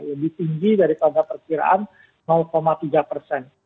lebih tinggi dari tanda perkiraan tiga persen